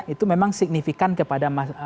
itu memang signifikan kepada